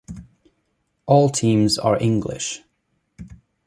All teams are English.